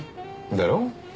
だろ？